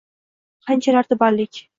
Qanchalar tubanlik